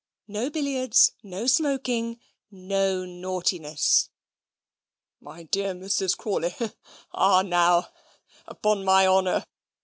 "No billiards, no smoking, no naughtiness!" "My dear Mrs. Crawley Ah now! upon my honour!"